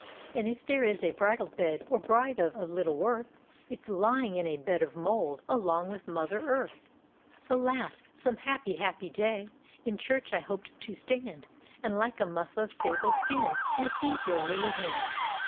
And if there is a bridal bed. Or bride of little worth. It's lying in a bed of mould, Along with Mother Earth, D,gt,, erihyGOOgle TIfe Haunted Hour "Alas! Some happy, happy day. In church I hoped to stand. And like a muS of sable skin Receive your lily hand.